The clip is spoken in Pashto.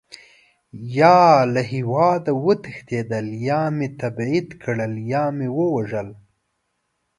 یا له هېواده وتښتېدل، یا مې تبعید کړل او یا مې ووژل.